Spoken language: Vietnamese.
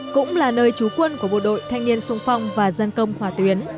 cũng là nơi trú quân của bộ đội thanh niên sung phong và dân công hòa tuyến